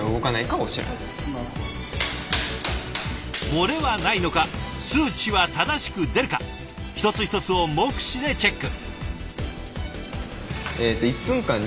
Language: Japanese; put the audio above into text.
漏れはないのか数値は正しく出るか一つ一つを目視でチェック。